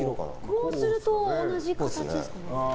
縦にすると同じ形ですかね。